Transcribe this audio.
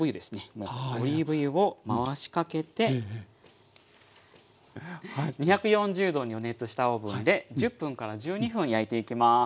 まずオリーブ油を回しかけて２４０℃に予熱したオーブンで１０分から１２分焼いていきます。